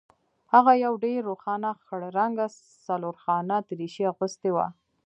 هغه یو ډیر روښانه خړ رنګه څلورخانه دریشي اغوستې وه